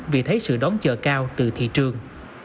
vì thấy sự đón chờ cao từ thị trường